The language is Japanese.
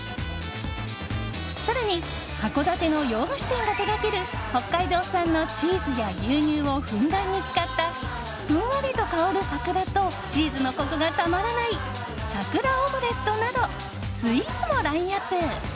更に、函館の洋菓子店が手掛ける北海道産のチーズや牛乳をふんだんに使ったふんわりと香る桜とチーズのコクがたまらない桜オムレットなどスイーツもラインアップ。